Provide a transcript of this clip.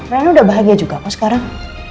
mereka udah bahagia juga kok sekarang